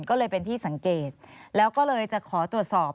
ก็เลยเป็นที่สังเกตแล้วก็เลยจะขอตรวจสอบ